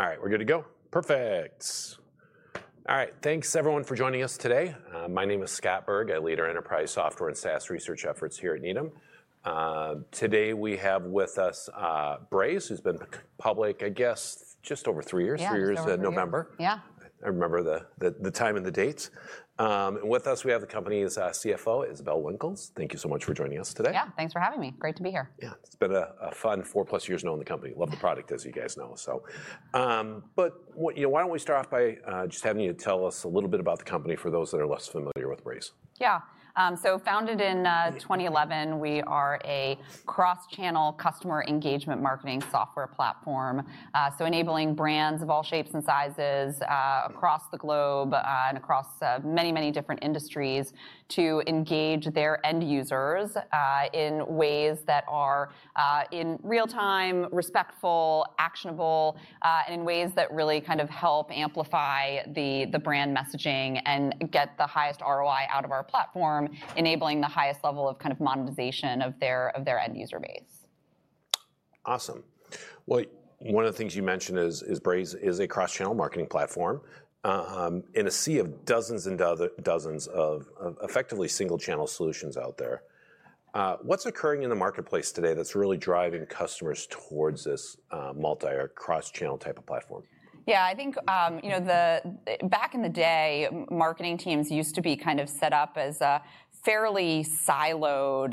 All right, we're good to go. Perfect. All right, thanks everyone for joining us today. My name is Scott Berg. I lead our enterprise software and SaaS research efforts here at Needham. Today we have with us Braze who's been public, I guess, just over three years, three years in November. Yeah. I remember the time and the dates. And with us, we have the company's CFO, Isabelle Winkles. Thank you so much for joining us today. Yeah, thanks for having me. Great to be here. Yeah, it's been a fun four-plus years knowing the company. Love the product, as you guys know. But why don't we start off by just having you tell us a little bit about the company for those that are less familiar with Braze? Yeah, so founded in 2011, we are a cross-channel customer engagement marketing software platform, so enabling brands of all shapes and sizes across the globe and across many, many different industries to engage their end users in ways that are in real time, respectful, actionable, and in ways that really kind of help amplify the brand messaging and get the highest ROI out of our platform, enabling the highest level of kind of monetization of their end user base. Awesome. Well, one of the things you mentioned is Braze is a cross-channel marketing platform in a sea of dozens and dozens of effectively single-channel solutions out there. What's occurring in the marketplace today that's really driving customers towards this multi or cross-channel type of platform? Yeah, I think back in the day, marketing teams used to be kind of set up as a fairly siloed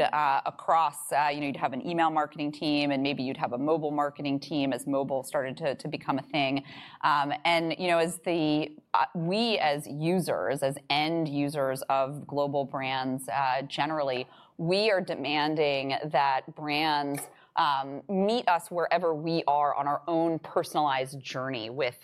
across. You'd have an email marketing team, and maybe you'd have a mobile marketing team as mobile started to become a thing. And as we, as users, as end users of global brands generally, we are demanding that brands meet us wherever we are on our own personalized journey with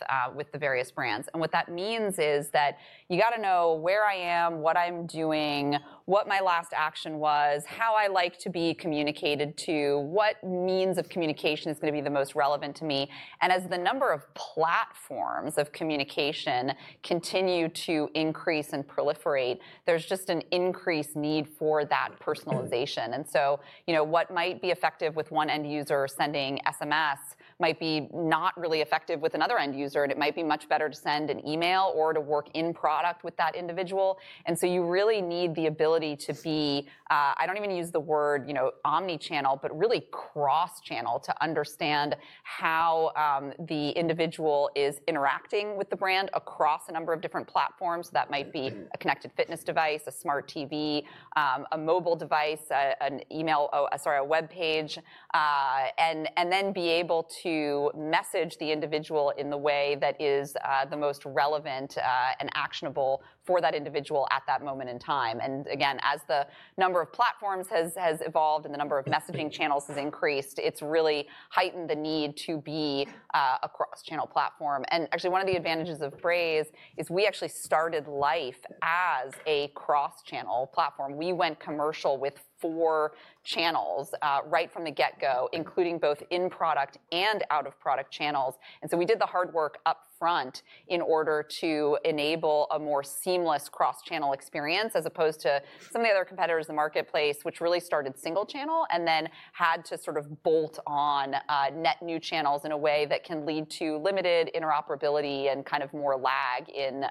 the various brands. And what that means is that you got to know where I am, what I'm doing, what my last action was, how I like to be communicated to, what means of communication is going to be the most relevant to me. And as the number of platforms of communication continue to increase and proliferate, there's just an increased need for that personalization. And so what might be effective with one end user sending SMS might be not really effective with another end user. And it might be much better to send an email or to work in product with that individual. And so you really need the ability to be, I don't even use the word omnichannel, but really cross-channel to understand how the individual is interacting with the brand across a number of different platforms. That might be a connected fitness device, a smart TV, a mobile device, an email, sorry, a web page, and then be able to message the individual in the way that is the most relevant and actionable for that individual at that moment in time. And again, as the number of platforms has evolved and the number of messaging channels has increased, it's really heightened the need to be a cross-channel platform. Actually, one of the advantages of Braze is we actually started life as a cross-channel platform. We went commercial with four channels right from the get-go, including both in product and out-of-product channels. We did the hard work upfront in order to enable a more seamless cross-channel experience as opposed to some of the other competitors in the marketplace, which really started single channel and then had to sort of bolt on net new channels in a way that can lead to limited interoperability and kind of more lag in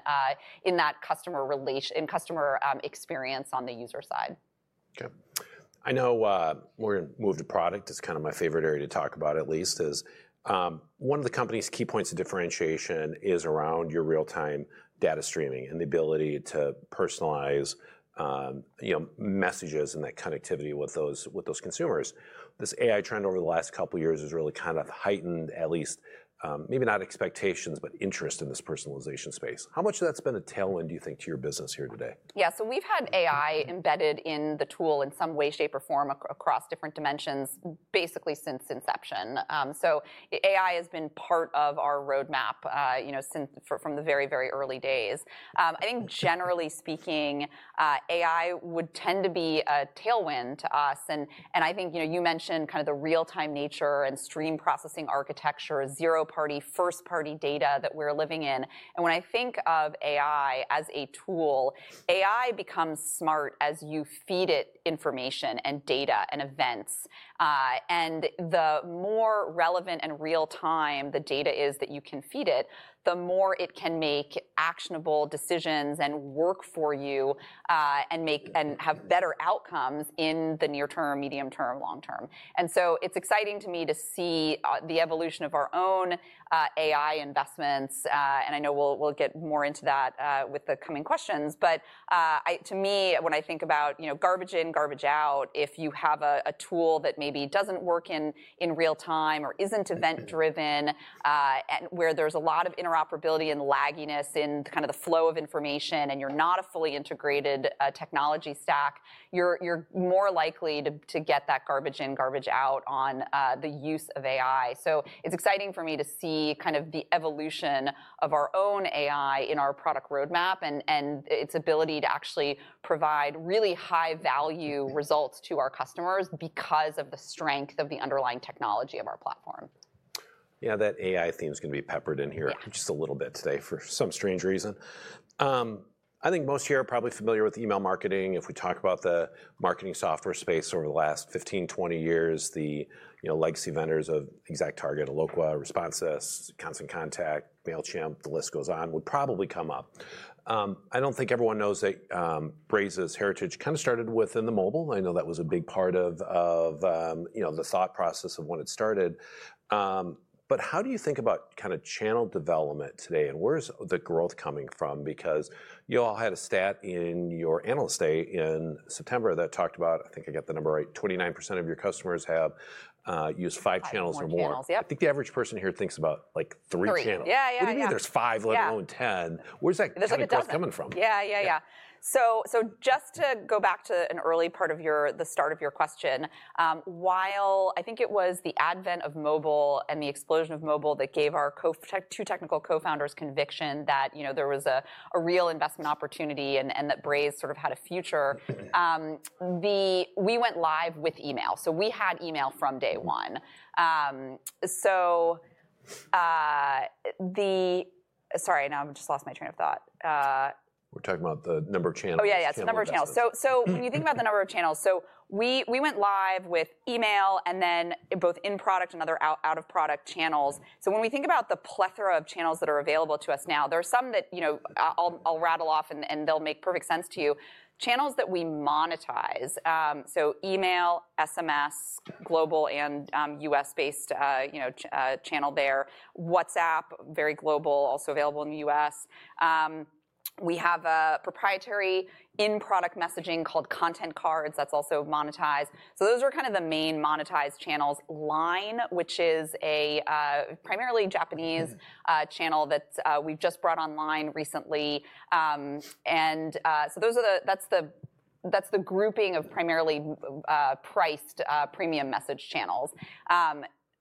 that customer experience on the user side. I know we're going to move to product. It's kind of my favorite area to talk about, at least one of the company's key points of differentiation is around your real-time data streaming and the ability to personalize messages and that connectivity with those consumers. This AI trend over the last couple of years has really kind of heightened, at least maybe not expectations, but interest in this personalization space. How much of that's been a tailwind, do you think, to your business here today? Yeah, so we've had AI embedded in the tool in some way, shape, or form across different dimensions basically since inception. So AI has been part of our roadmap from the very, very early days. I think generally speaking, AI would tend to be a tailwind to us. And I think you mentioned kind of the real-time nature and stream processing architecture, zero-party, first-party data that we're living in. And when I think of AI as a tool, AI becomes smart as you feed it information and data and events. And the more relevant and real-time the data is that you can feed it, the more it can make actionable decisions and work for you and have better outcomes in the near term, medium term, long term. And so it's exciting to me to see the evolution of our own AI investments. And I know we'll get more into that with the coming questions. But to me, when I think about garbage in, garbage out, if you have a tool that maybe doesn't work in real time or isn't event-driven and where there's a lot of interoperability and lagginess in kind of the flow of information and you're not a fully integrated technology stack, you're more likely to get that garbage in, garbage out on the use of AI. So it's exciting for me to see kind of the evolution of our own AI in our product roadmap and its ability to actually provide really high-value results to our customers because of the strength of the underlying technology of our platform. Yeah, that AI theme is going to be peppered in here just a little bit today for some strange reason. I think most of you are probably familiar with email marketing. If we talk about the marketing software space over the last 15, 20 years, the legacy vendors of ExactTarget, Eloqua, Responsys, Constant Contact, Mailchimp, the list goes on, would probably come up. I don't think everyone knows that Braze's heritage kind of started within the mobile. I know that was a big part of the thought process of when it started. But how do you think about kind of channel development today? And where is the growth coming from? Because you all had a stat in your Analyst Day in September that talked about, I think I got the number right, 29% of your customers have used five channels or more. Five channels, yep. I think the average person here thinks about like three channels. Correct, yeah, yeah. but there's five, let alone ten. Where's that growth coming from? Yeah, yeah, yeah. So just to go back to an early part of the start of your question, while I think it was the advent of mobile and the explosion of mobile that gave our two technical co-founders conviction that there was a real investment opportunity and that Braze sort of had a future, we went live with email. So we had email from day one. So the, sorry, I just lost my train of thought. We're talking about the number of channels. Oh, yeah, yeah, so number of channels. So when you think about the number of channels, so we went live with email and then both in-product and other out-of-product channels. So when we think about the plethora of channels that are available to us now, there are some that I'll rattle off and they'll make perfect sense to you. Channels that we monetize, so email, SMS, global and U.S.-based channel there. WhatsApp, very global, also available in the U.S. We have a proprietary in-product messaging called Content Cards that's also monetized. So those are kind of the main monetized channels. LINE, which is a primarily Japanese channel that we've just brought online recently. And so that's the grouping of primarily priced premium message channels.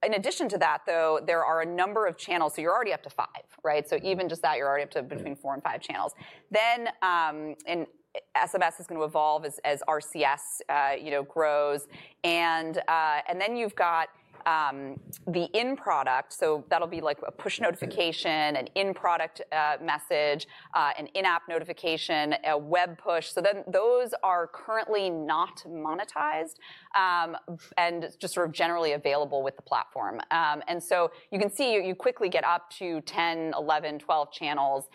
In addition to that, though, there are a number of channels, so you're already up to five, right? Even just that, you're already up to between four and five channels. Then SMS is going to evolve as RCS grows. And then you've got the in-product. So that'll be like a push notification, an in-product message, an in-app notification, a web push. So then those are currently not monetized and just sort of generally available with the platform. And so you can see you quickly get up to 10 channels, 11 channels, 12 channels.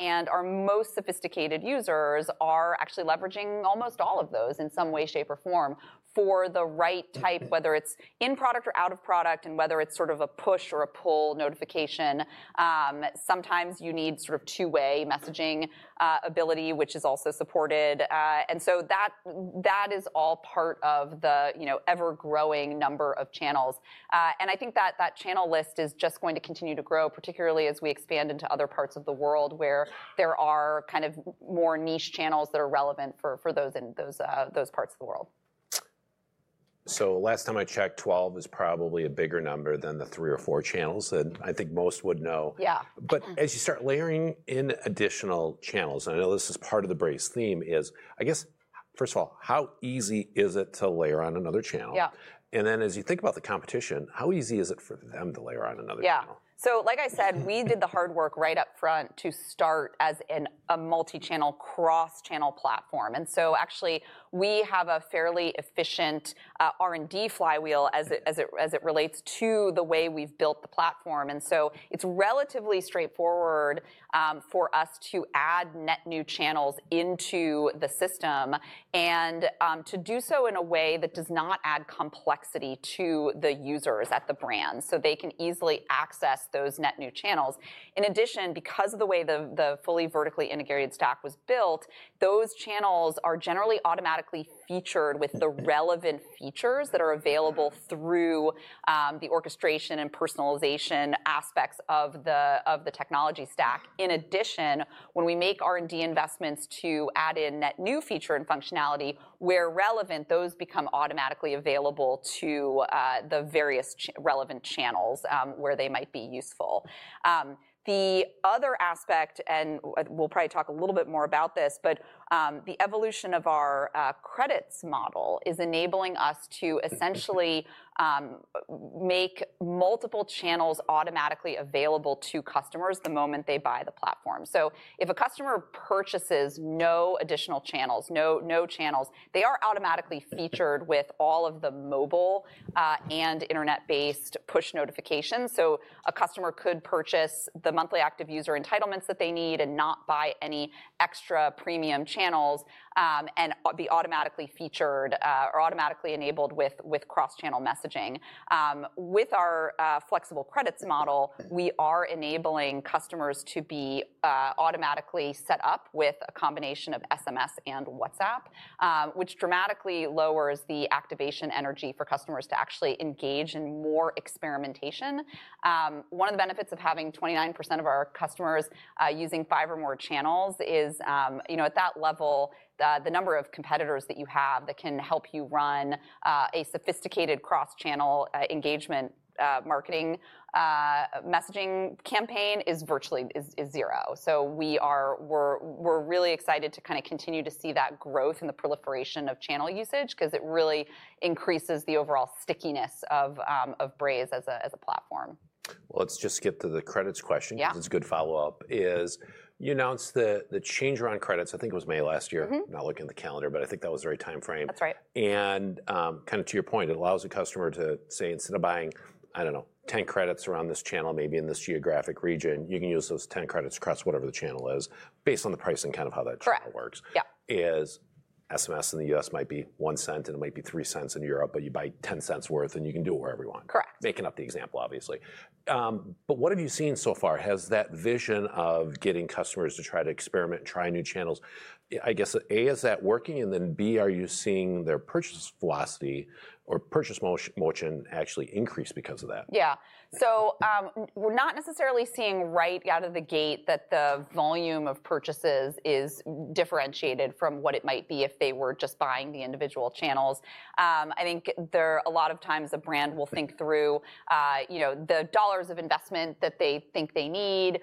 And our most sophisticated users are actually leveraging almost all of those in some way, shape, or form for the right type, whether it's in-product or out-of-product and whether it's sort of a push or a pull notification. Sometimes you need sort of two-way messaging ability, which is also supported. And so that is all part of the ever-growing number of channels. I think that that channel list is just going to continue to grow, particularly as we expand into other parts of the world where there are kind of more niche channels that are relevant for those parts of the world. So last time I checked, 12 is probably a bigger number than the three or four channels that I think most would know. Yeah. But as you start layering in additional channels, and I know this is part of the Braze theme, is I guess, first of all, how easy is it to layer on another channel? Yeah. As you think about the competition, how easy is it for them to layer on another channel? Yeah. So like I said, we did the hard work right up front to start as a multi-channel, cross-channel platform. And so actually, we have a fairly efficient R&D flywheel as it relates to the way we've built the platform. And so it's relatively straightforward for us to add net new channels into the system and to do so in a way that does not add complexity to the users at the brand so they can easily access those net new channels. In addition, because of the way the fully vertically integrated stack was built, those channels are generally automatically featured with the relevant features that are available through the orchestration and personalization aspects of the technology stack. In addition, when we make R&D investments to add in net new feature and functionality, where relevant, those become automatically available to the various relevant channels where they might be useful. The other aspect, and we'll probably talk a little bit more about this, but the evolution of our credits model is enabling us to essentially make multiple channels automatically available to customers the moment they buy the platform. So if a customer purchases no additional channels, no channels, they are automatically featured with all of the mobile and internet-based push notifications. So a customer could purchase the monthly active user entitlements that they need and not buy any extra premium channels and be automatically featured or automatically enabled with cross-channel messaging. With our flexible credits model, we are enabling customers to be automatically set up with a combination of SMS and WhatsApp, which dramatically lowers the activation energy for customers to actually engage in more experimentation. One of the benefits of having 29% of our customers using five or more channels is at that level, the number of competitors that you have that can help you run a sophisticated cross-channel engagement marketing messaging campaign is virtually zero. So we're really excited to kind of continue to see that growth and the proliferation of channel usage because it really increases the overall stickiness of Braze as a platform. Let's just skip to the credits question because it's a good follow-up. You announced the change around credits, I think it was May last year. I'm not looking at the calendar, but I think that was the right time frame. That's right. Kind of to your point, it allows a customer to say instead of buying, I don't know, 10 credits around this channel, maybe in this geographic region, you can use those 10 credits across whatever the channel is based on the pricing kind of how that channel works. Correct, yep. In SMS in the U.S. might be $0.01 and it might be $0.03 in Europe, but you buy $0.10 worth and you can do it wherever you want. Correct. Making up the example, obviously. But what have you seen so far? Has that vision of getting customers to try to experiment and try new channels, I guess, A, is that working? And then B, are you seeing their purchase velocity or purchase motion actually increase because of that? Yeah. So we're not necessarily seeing right out of the gate that the volume of purchases is differentiated from what it might be if they were just buying the individual channels. I think a lot of times a brand will think through the dollars of investment that they think they need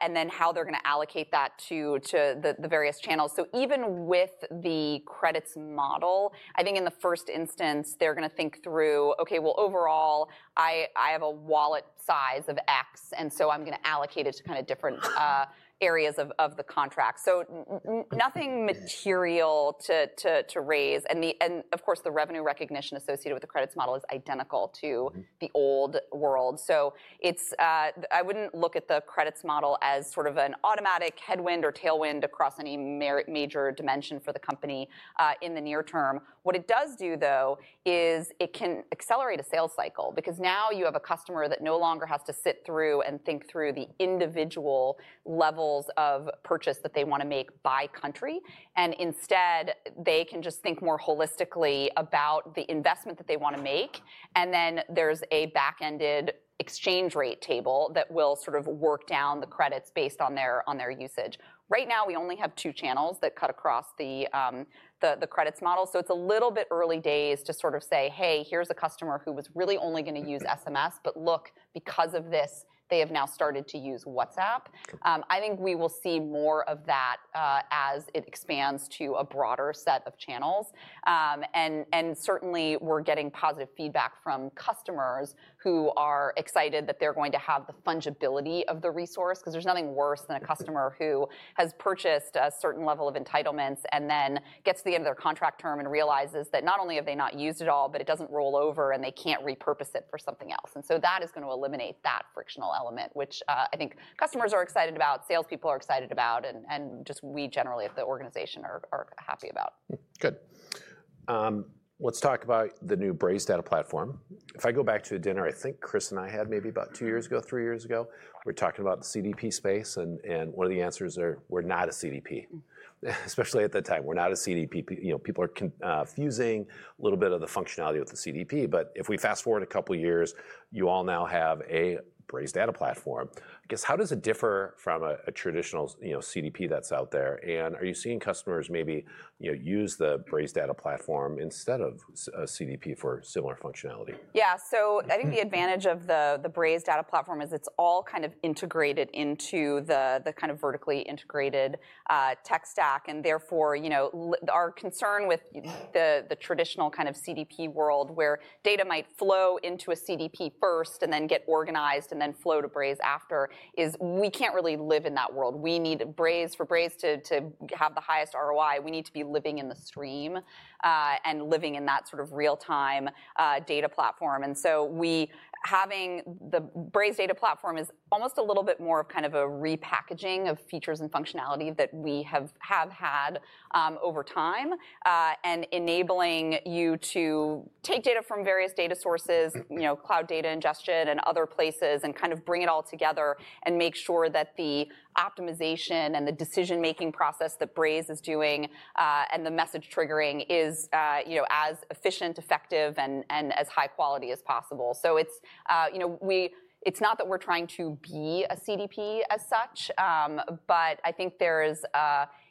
and then how they're going to allocate that to the various channels. So even with the credits model, I think in the first instance, they're going to think through, "Okay, well, overall, I have a wallet size of X, and so I'm going to allocate it to kind of different areas of the contract." So nothing material to raise. And of course, the revenue recognition associated with the credits model is identical to the old world. So I wouldn't look at the credits model as sort of an automatic headwind or tailwind across any major dimension for the company in the near term. What it does do, though, is it can accelerate a sales cycle because now you have a customer that no longer has to sit through and think through the individual levels of purchase that they want to make by country. And instead, they can just think more holistically about the investment that they want to make. And then there's a back-ended exchange rate table that will sort of work down the credits based on their usage. Right now, we only have two channels that cut across the credits model. So it's a little bit early days to sort of say, "Hey, here's a customer who was really only going to use SMS, but look, because of this, they have now started to use WhatsApp." I think we will see more of that as it expands to a broader set of channels. And certainly, we're getting positive feedback from customers who are excited that they're going to have the fungibility of the resource because there's nothing worse than a customer who has purchased a certain level of entitlements and then gets to the end of their contract term and realizes that not only have they not used it all, but it doesn't roll over and they can't repurpose it for something else. That is going to eliminate that frictional element, which I think customers are excited about, salespeople are excited about, and just we generally at the organization are happy about. Good. Let's talk about the new Braze Data Platform. If I go back to a dinner I think Chris and I had maybe about two years ago, three years ago, we were talking about the CDP space. And one of the answers are, "We're not a CDP," especially at that time. "We're not a CDP. People are fusing a little bit of the functionality with the CDP." But if we fast forward a couple of years, you all now have a Braze Data Platform. I guess, how does it differ from a traditional CDP that's out there? And are you seeing customers maybe use the Braze Data Platform instead of a CDP for similar functionality? Yeah. So I think the advantage of the Braze Data Platform is it's all kind of integrated into the kind of vertically integrated tech stack, and therefore, our concern with the traditional kind of CDP world where data might flow into a CDP first and then get organized and then flow to Braze after is we can't really live in that world. For Braze to have the highest ROI, we need to be living in the stream and living in that sort of real-time data platform. And so having the Braze Data Platform is almost a little bit more of kind of a repackaging of features and functionality that we have had over time and enabling you to take data from various data sources, Cloud Data Ingestion and other places, and kind of bring it all together and make sure that the optimization and the decision-making process that Braze is doing and the message triggering is as efficient, effective, and as high quality as possible. So it's not that we're trying to be a CDP as such, but I think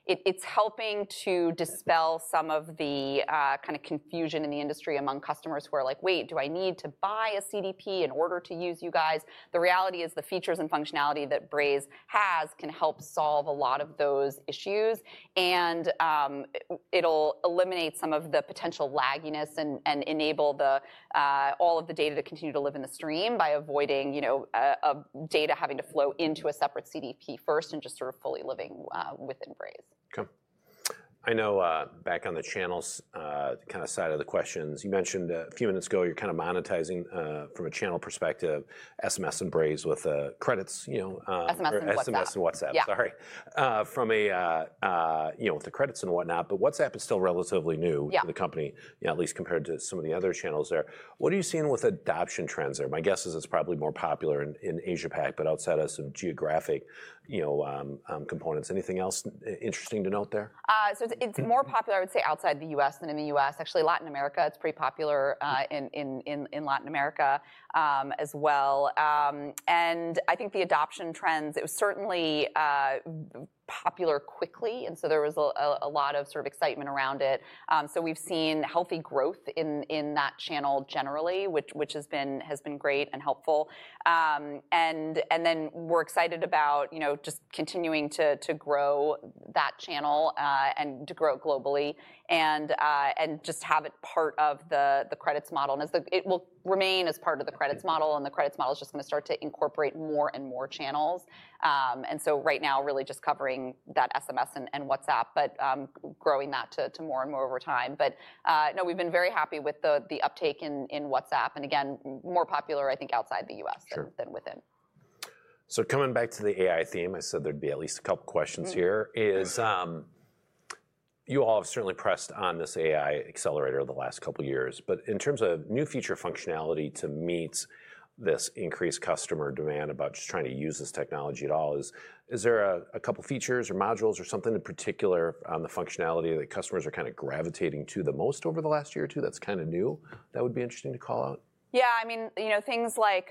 it's helping to dispel some of the kind of confusion in the industry among customers who are like, "Wait, do I need to buy a CDP in order to use you guys?" The reality is the features and functionality that Braze has can help solve a lot of those issues. It'll eliminate some of the potential lagginess and enable all of the data to continue to live in the stream by avoiding data having to flow into a separate CDP first and just sort of fully living within Braze. Okay. I know back on the channels kind of side of the questions, you mentioned a few minutes ago you're kind of monetizing from a channel perspective, SMS and Braze with credits. SMS and WhatsApp. SMS and WhatsApp, sorry. Yeah. With the credits and whatnot, but WhatsApp is still relatively new to the company, at least compared to some of the other channels there. What are you seeing with adoption trends there? My guess is it's probably more popular in Asia-Pac, but outside of some geographic components. Anything else interesting to note there? So it's more popular, I would say, outside the U.S. than in the U.S. Actually, Latin America, it's pretty popular in Latin America as well. And I think the adoption trends, it was certainly popular quickly. And so there was a lot of sort of excitement around it. So we've seen healthy growth in that channel generally, which has been great and helpful. And then we're excited about just continuing to grow that channel and to grow it globally and just have it part of the credits model. And it will remain as part of the credits model, and the credits model is just going to start to incorporate more and more channels. And so right now, really just covering that SMS and WhatsApp, but growing that to more and more over time. But no, we've been very happy with the uptake in WhatsApp. And again, more popular, I think, outside the U.S. than within. So coming back to the AI theme, I said there'd be at least a couple of questions here. You all have certainly pressed on this AI accelerator the last couple of years. But in terms of new feature functionality to meet this increased customer demand about just trying to use this technology at all, is there a couple of features or modules or something in particular on the functionality that customers are kind of gravitating to the most over the last year or two that's kind of new that would be interesting to call out? Yeah. I mean, things like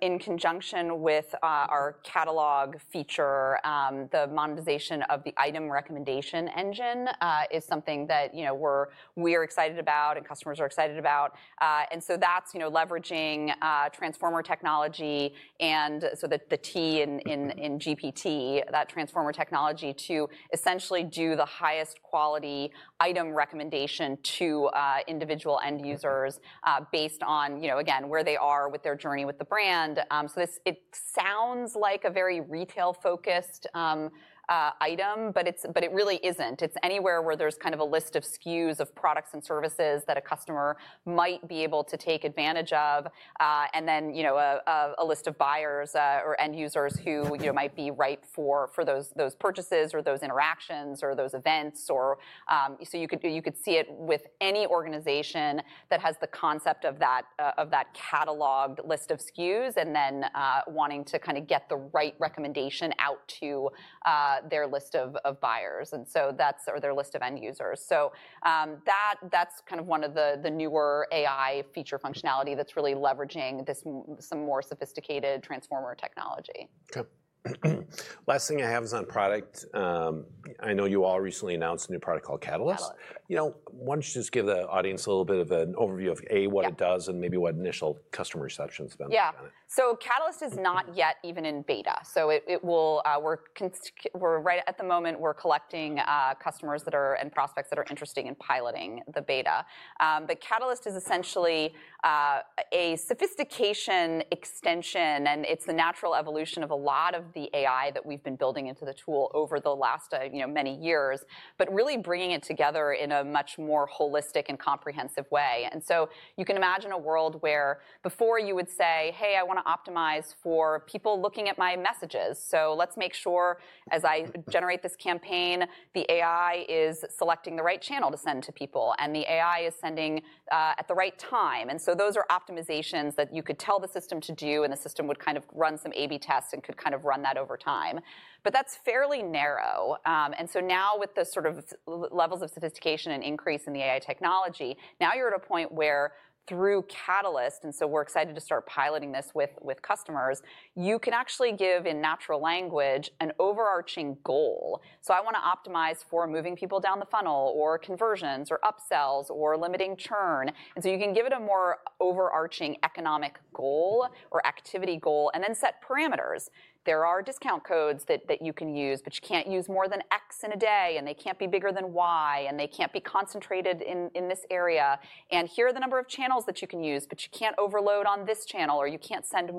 in conjunction with our catalog feature, the monetization of the item recommendation engine is something that we're excited about and customers are excited about. And so that's leveraging transformer technology and so the T in GPT, that transformer technology to essentially do the highest quality item recommendation to individual end users based on, again, where they are with their journey with the brand. So it sounds like a very retail-focused item, but it really isn't. It's anywhere where there's kind of a list of SKUs of products and services that a customer might be able to take advantage of and then a list of buyers or end users who might be ripe for those purchases or those interactions or those events. So you could see it with any organization that has the concept of that cataloged list of SKUs and then wanting to kind of get the right recommendation out to their list of buyers and their list of end users. So that's kind of one of the newer AI feature functionality that's really leveraging some more sophisticated transformer technology. Okay. Last thing I have is on product. I know you all recently announced a new product called Catalyst. Catalyst. You know, why don't you just give the audience a little bit of an overview of, A, what it does and maybe what initial customer reception has been? Yeah. So Catalyst is not yet even in beta. So we're right at the moment, we're collecting customers and prospects that are interested in piloting the beta. But Catalyst is essentially a sophistication extension, and it's the natural evolution of a lot of the AI that we've been building into the tool over the last many years, but really bringing it together in a much more holistic and comprehensive way. And so you can imagine a world where before you would say, "Hey, I want to optimize for people looking at my messages. So let's make sure as I generate this campaign, the AI is selecting the right channel to send to people and the AI is sending at the right time." And so those are optimizations that you could tell the system to do, and the system would kind of run some A/B tests and could kind of run that over time. But that's fairly narrow. And so now with the sort of levels of sophistication and increase in the AI technology, now you're at a point where through Catalyst, and so we're excited to start piloting this with customers, you can actually give in natural language an overarching goal. So I want to optimize for moving people down the funnel or conversions or upsells or limiting churn. And so you can give it a more overarching economic goal or activity goal and then set parameters. There are discount codes that you can use, but you can't use more than X in a day, and they can't be bigger than Y, and they can't be concentrated in this area, and here are the number of channels that you can use, but you can't overload on this channel or you can't send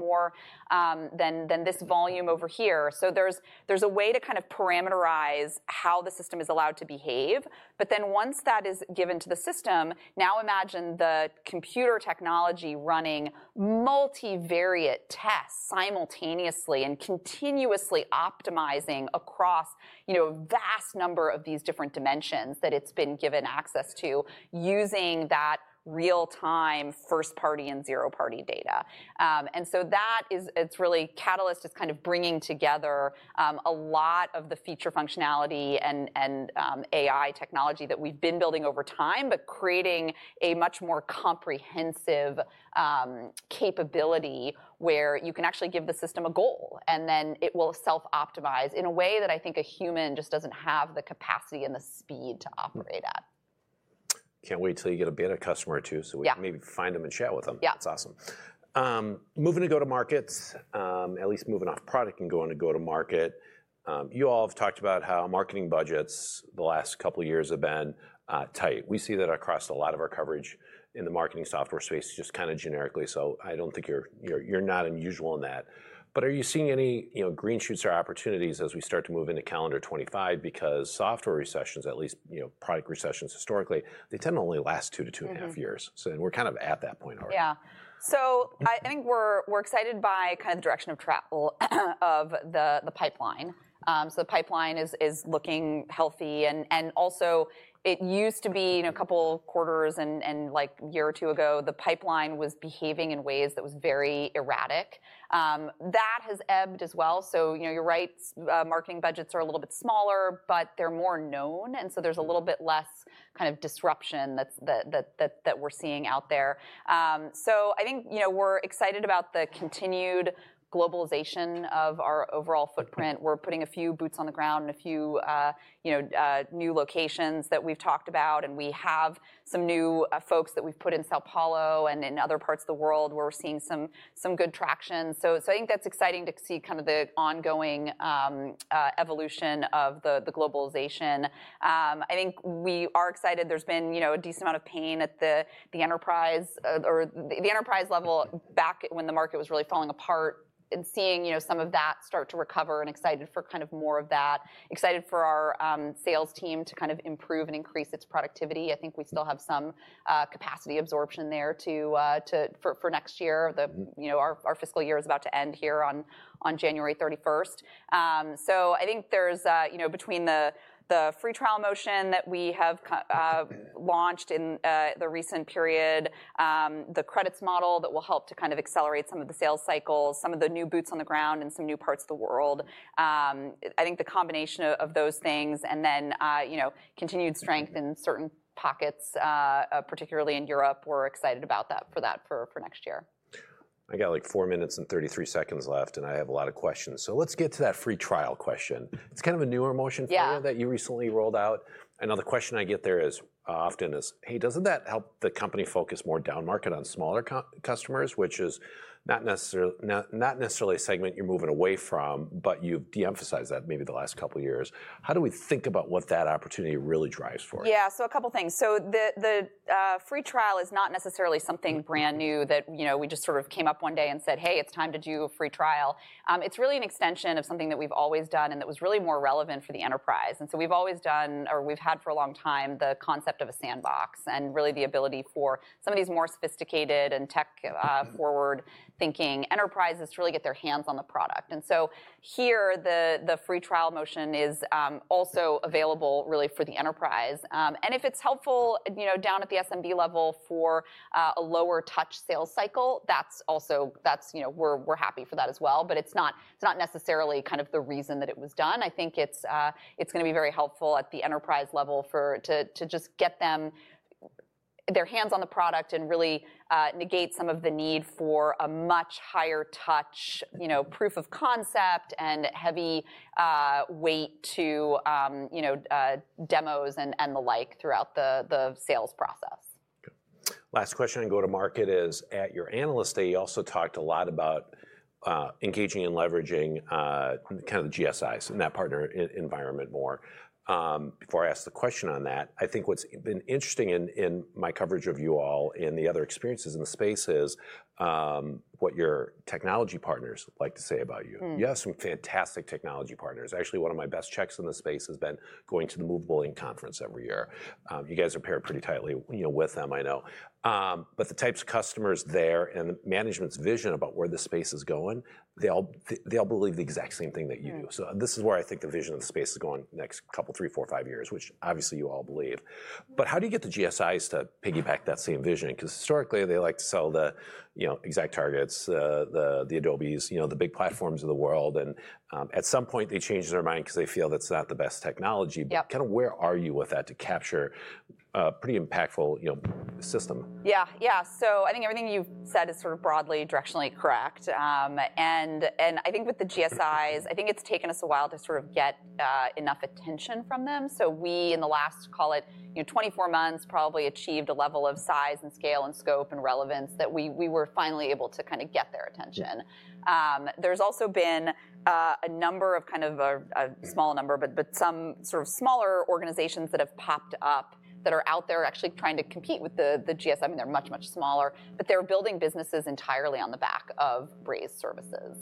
more than this volume over here, so there's a way to kind of parameterize how the system is allowed to behave, but then once that is given to the system, now imagine the computer technology running multivariate tests simultaneously and continuously optimizing across a vast number of these different dimensions that it's been given access to using that real-time first-party and zero-party data. That is really Catalyst is kind of bringing together a lot of the feature functionality and AI technology that we've been building over time, but creating a much more comprehensive capability where you can actually give the system a goal, and then it will self-optimize in a way that I think a human just doesn't have the capacity and the speed to operate at. Can't wait till you get a beta customer or two. Yeah. So we can maybe find them and chat with them. Yeah. That's awesome. Moving to go-to-markets, at least moving off product and going to go-to-market. You all have talked about how marketing budgets the last couple of years have been tight. We see that across a lot of our coverage in the marketing software space just kind of generically. So I don't think you're not unusual in that. But are you seeing any green shoots or opportunities as we start to move into calendar 2025? Because software recessions, at least product recessions historically, they tend to only last two to two and a half years. So we're kind of at that point already. Yeah. So I think we're excited by kind of the direction of travel of the pipeline. So the pipeline is looking healthy. And also, it used to be a couple of quarters and a year or two ago, the pipeline was behaving in ways that was very erratic. That has ebbed as well. So you're right, marketing budgets are a little bit smaller, but they're more known. And so there's a little bit less kind of disruption that we're seeing out there. So I think we're excited about the continued globalization of our overall footprint. We're putting a few boots on the ground and a few new locations that we've talked about. And we have some new folks that we've put in São Paulo and in other parts of the world where we're seeing some good traction. So I think that's exciting to see kind of the ongoing evolution of the globalization. I think we are excited. There's been a decent amount of pain at the enterprise level back when the market was really falling apart and seeing some of that start to recover and excited for kind of more of that, excited for our sales team to kind of improve and increase its productivity. I think we still have some capacity absorption there for next year. Our fiscal year is about to end here on January 31st. So I think there's between the free trial motion that we have launched in the recent period, the credits model that will help to kind of accelerate some of the sales cycles, some of the new boots on the ground, and some new parts of the world. I think the combination of those things and then continued strength in certain pockets, particularly in Europe, we're excited about that for next year. I got like four minutes and 33 seconds left, and I have a lot of questions. So let's get to that free trial question. It's kind of a newer motion for you that you recently rolled out. Another question I get there often is, "Hey, doesn't that help the company focus more down market on smaller customers, which is not necessarily a segment you're moving away from, but you've de-emphasized that maybe the last couple of years?" How do we think about what that opportunity really drives for? Yeah. So a couple of things. So the free trial is not necessarily something brand new that we just sort of came up one day and said, "Hey, it's time to do a free trial." It's really an extension of something that we've always done and that was really more relevant for the enterprise. And so we've always done or we've had for a long time the concept of a sandbox and really the ability for some of these more sophisticated and tech-forward thinking enterprises to really get their hands on the product. And so here, the free trial motion is also available really for the enterprise. And if it's helpful down at the SMB level for a lower touch sales cycle, that's also where we're happy for that as well. But it's not necessarily kind of the reason that it was done. I think it's going to be very helpful at the enterprise level to just get their hands on the product and really negate some of the need for a much higher-touch proof of concept and heavyweight demos and the like throughout the sales process. Last question in go-to-market is at your Analyst Day, you also talked a lot about engaging and leveraging kind of the GSIs and that partner environment more. Before I ask the question on that, I think what's been interesting in my coverage of you all and the other experiences in the space is what your technology partners like to say about you. You have some fantastic technology partners. Actually, one of my best checks in the space has been going to the Movable Ink conference every year. You guys are paired pretty tightly with them, I know. But the types of customers there and the management's vision about where the space is going, they all believe the exact same thing that you do. So this is where I think the vision of the space is going next couple, three, four, five years, which obviously you all believe. But how do you get the GSIs to piggyback that same vision? Because historically, they like to sell the ExactTarget, the Adobe, the big platforms of the world. And at some point, they change their mind because they feel that's not the best technology. Yeah. But kind of, where are you with that to capture a pretty impactful system? Yeah. Yeah. So I think everything you've said is sort of broadly directionally correct, and I think with the GSIs, I think it's taken us a while to sort of get enough attention from them. So, in the last, call it 24 months, probably achieved a level of size and scale and scope and relevance that we were finally able to kind of get their attention. There's also been a number of kind of a small number, but some sort of smaller organizations that have popped up that are out there actually trying to compete with the GSI. I mean, they're much, much smaller, but they're building businesses entirely on the back of Braze services,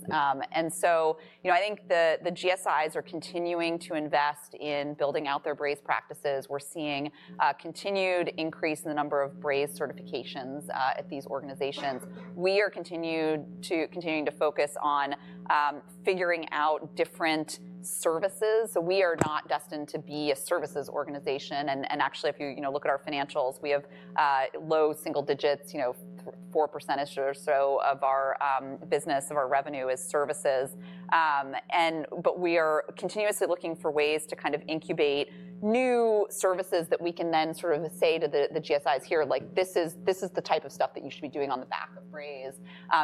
and so I think the GSIs are continuing to invest in building out their Braze practices. We're seeing a continued increase in the number of Braze certifications at these organizations. We are continuing to focus on figuring out different services, so we are not destined to be a services organization, and actually, if you look at our financials, we have low single digits, 4% or so of our business, of our revenue is services, but we are continuously looking for ways to kind of incubate new services that we can then sort of say to the GSIs here, like, "This is the type of stuff that you should be doing on the back of Braze,"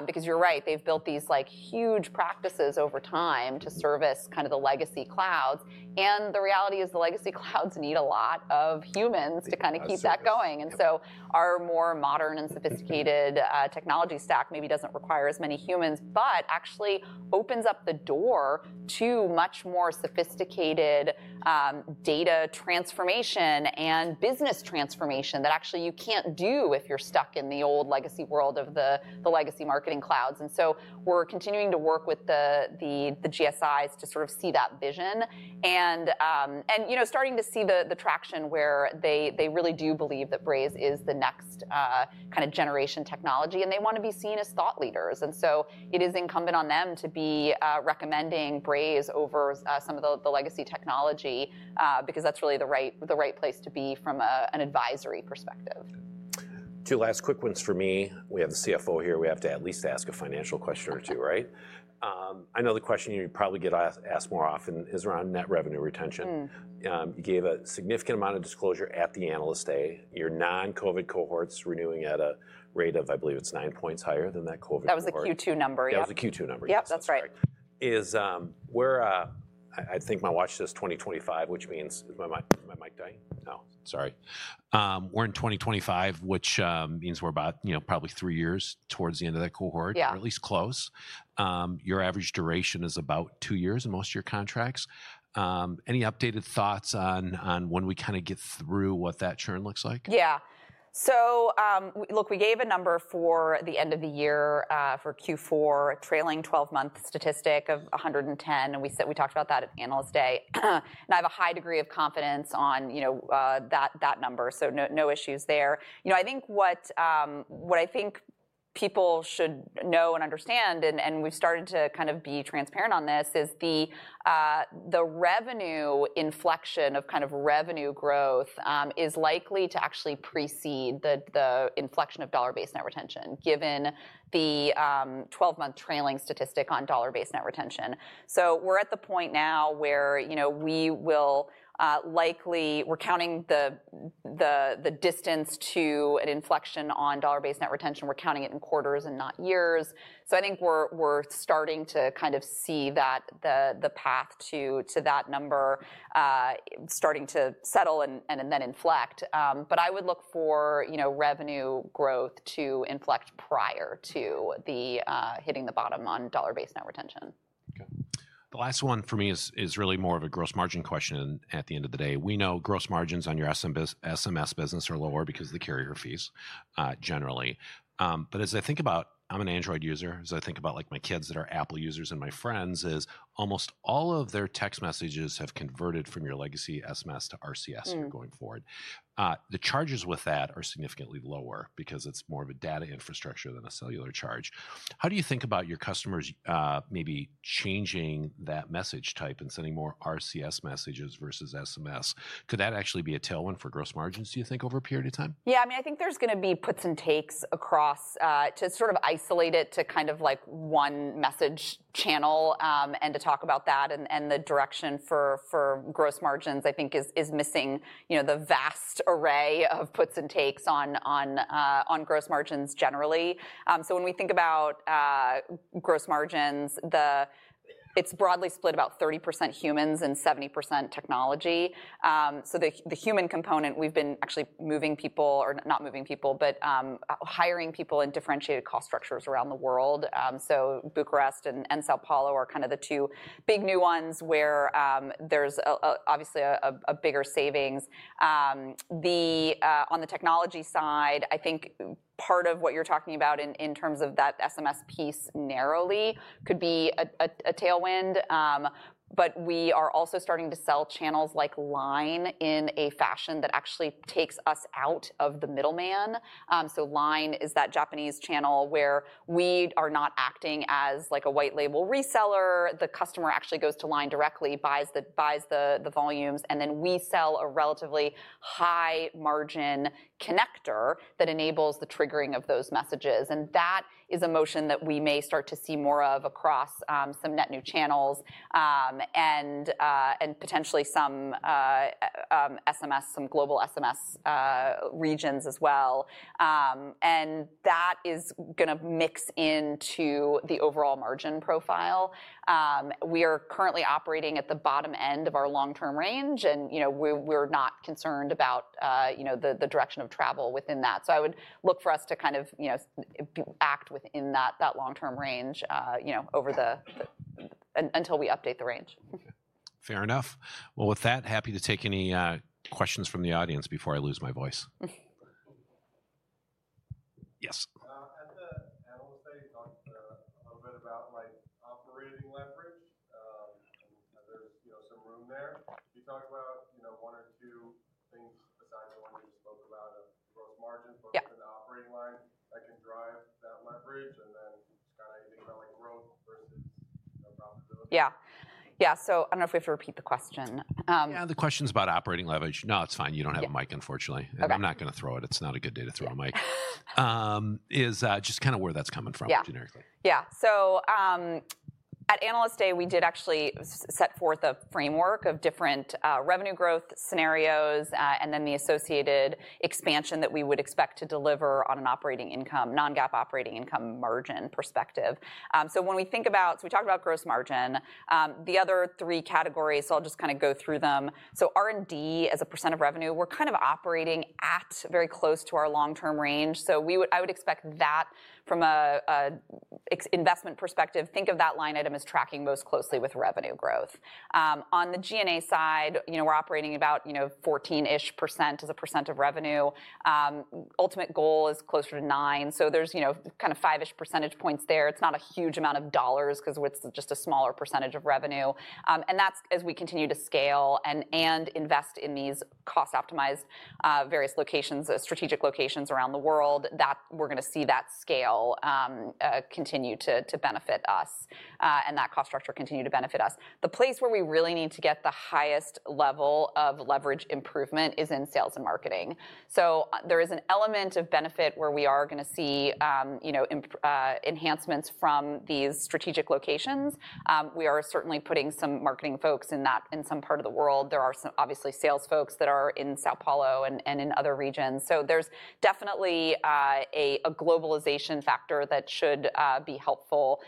because you're right, they've built these huge practices over time to service kind of the legacy clouds, and the reality is the legacy clouds need a lot of humans to kind of keep that going. And so our more modern and sophisticated technology stack maybe doesn't require as many humans, but actually opens up the door to much more sophisticated data transformation and business transformation that actually you can't do if you're stuck in the old legacy world of the legacy marketing clouds. And so we're continuing to work with the GSIs to sort of see that vision and starting to see the traction where they really do believe that Braze is the next kind of generation technology, and they want to be seen as thought leaders. And so it is incumbent on them to be recommending Braze over some of the legacy technology because that's really the right place to be from an advisory perspective. Two last quick ones for me. We have the CFO here. We have to at least ask a financial question or two, right? I know the question you probably get asked more often is around net revenue retention. You gave a significant amount of disclosure at the Analyst Day. Your non-COVID cohorts renewing at a rate of, I believe it's nine points higher than that COVID cohort. That was the Q2 number, yeah. That was the Q2 number. Yep, that's right. I think my watch says 2025, which means... is my mic dying? Oh, sorry. We're in 2025, which means we're about probably three years towards the end of that cohort. Yeah. Or at least close. Your average duration is about two years in most of your contracts. Any updated thoughts on when we kind of get through what that churn looks like? Yeah. So look, we gave a number for the end of the year for Q4, trailing 12-month statistic of 110. And we talked about that at Analyst Day. And I have a high degree of confidence on that number, so no issues there. I think what I think people should know and understand, and we've started to kind of be transparent on this, is the revenue inflection of kind of revenue growth is likely to actually precede the inflection of dollar-based net retention given the 12-month trailing statistic on dollar-based net retention. So we're at the point now where we will likely, we're counting the distance to an inflection on dollar-based net retention. We're counting it in quarters and not years. So I think we're starting to kind of see that the path to that number starting to settle and then inflect. But I would look for revenue growth to inflect prior to hitting the bottom on dollar-based net retention. Okay. The last one for me is really more of a gross margin question at the end of the day. We know gross margins on your SMS business are lower because of the carrier fees generally. But as I think about, I'm an Android user. As I think about my kids that are Apple users and my friends, is almost all of their text messages have converted from your legacy SMS to RCS going forward. The charges with that are significantly lower because it's more of a data infrastructure than a cellular charge. How do you think about your customers maybe changing that message type and sending more RCS messages versus SMS? Could that actually be a tailwind for gross margins, do you think, over a period of time? Yeah. I mean, I think there's going to be puts and takes across to sort of isolate it to kind of like one message channel and to talk about that. And the direction for gross margins, I think, is missing the vast array of puts and takes on gross margins generally. So when we think about gross margins, it's broadly split about 30% humans and 70% technology. So the human component, we've been actually moving people or not moving people, but hiring people in differentiated cost structures around the world. So Bucharest and São Paulo are kind of the two big new ones where there's obviously a bigger savings. On the technology side, I think part of what you're talking about in terms of that SMS piece narrowly could be a tailwind. But we are also starting to sell channels like LINE in a fashion that actually takes us out of the middleman. So LINE is that Japanese channel where we are not acting as like a white label reseller. The customer actually goes to LINE directly, buys the volumes, and then we sell a relatively high margin connector that enables the triggering of those messages. And that is a motion that we may start to see more of across some net new channels and potentially some SMS, some global SMS regions as well. And that is going to mix into the overall margin profile. We are currently operating at the bottom end of our long-term range, and we're not concerned about the direction of travel within that. So I would look for us to kind of act within that long-term range until we update the range. Fair enough. Well, with that, happy to take any questions from the audience before I lose my voice. Yes. At the Analyst Day, you talked a at Analyst day, we did actually set forth a framework of different revenue growth scenarios and then the associated expansion that we would expect to deliver on an operating income, non-GAAP operating income margin perspective. So when we think about, so we talked about gross margin, the other three categories, so I'll just kind of go through them. So R&D as a percent of revenue, we're kind of operating at very close to our long-term range. So I would expect that from an investment perspective, think of that line item as tracking most closely with revenue growth. On the G&A side, we're operating about 14-ish% as a percent of revenue. Ultimate goal is closer to nine. So there's kind of five-ish percentage points there. It's not a huge amount of dollars because it's just a smaller percentage of revenue. That's as we continue to scale and invest in these cost-optimized various locations, strategic locations around the world, that we're going to see that scale continue to benefit us and that cost structure continue to benefit us. The place where we really need to get the highest level of leverage improvement is in sales and marketing. So there is an element of benefit where we are going to see enhancements from these strategic locations. We are certainly putting some marketing folks in that in some part of the world. There are obviously sales folks that are in São Paulo and in other regions. So there's definitely a globalization factor that should be helpful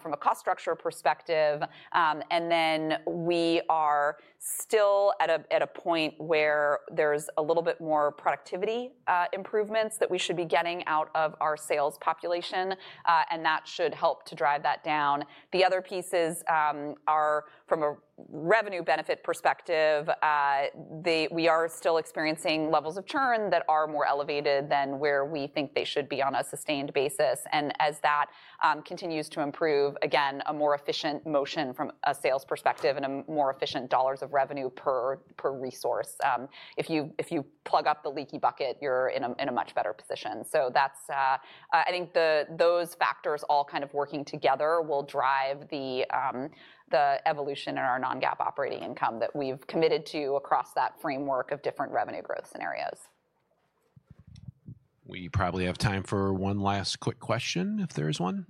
from a cost structure perspective. And then we are still at a point where there's a little bit more productivity improvements that we should be getting out of our sales population, and that should help to drive that down. The other pieces are from a revenue benefit perspective. We are still experiencing levels of churn that are more elevated than where we think they should be on a sustained basis. And as that continues to improve, again, a more efficient motion from a sales perspective and a more efficient dollars of revenue per resource. If you plug up the leaky bucket, you're in a much better position. So I think those factors all kind of working together will drive the evolution in our non-GAAP operating income that we've committed to across that framework of different revenue growth scenarios. We probably have time for one last quick question if there is one.